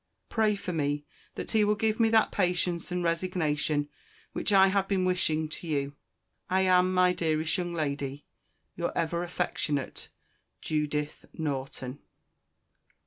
Pray for me, that he will give me that patience and resignation which I have been wishing to you. I am, my dearest young lady, Your ever affectionate JUDITH NORTON.